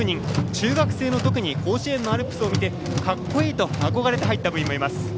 中学生の時に甲子園のアルプスを見て格好いいと憧れて入った部員もいます。